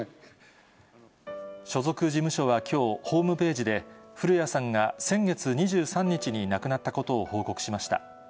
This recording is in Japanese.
所属事務所はきょう、ホームページで、古谷さんが先月２３日に亡くなったことを報告しました。